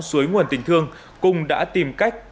suối nguồn tình thương cung đã tìm cách